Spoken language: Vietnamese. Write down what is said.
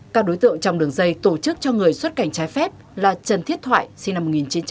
các đối tượng trong đường dây tổ chức cho người xuất cảnh trái phép là trần thiết thoại sinh năm một nghìn chín trăm tám mươi